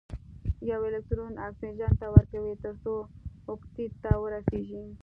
یو الکترون اکسیجن ته ورکوي تر څو اوکتیت ته ورسیږي.